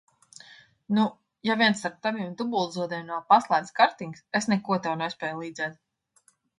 Nu, ja vien starp taviem dubultzodiem nav paslēpts kartings, es neko tev nespēju līdzēt!